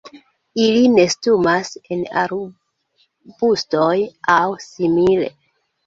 Ili nestumas en arbustoj aŭ simile.